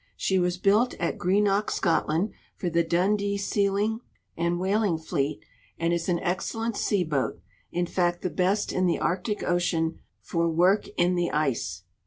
She was built at Greenock, Scotland, for the Dundee sealing and whaling fleet, and is .an excellent sea boat — in fact the best in the Arctic ocean for work in the ice.